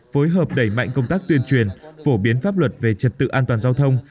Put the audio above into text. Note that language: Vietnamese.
phối hợp đẩy mạnh công tác tuyên truyền phổ biến pháp luật về trật tự an toàn giao thông